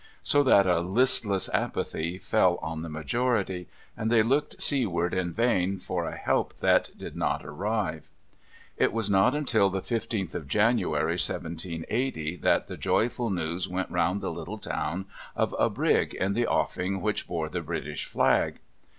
So that a listless apathy fell on the majority, and they looked seaward in vain for a help that did not arrive. It was not until the 15th of January, 1780, that the joyful news went round the little town of a brig in the offing which bore the British flag.